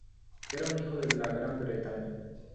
Era un hijo de la Gran Bretaña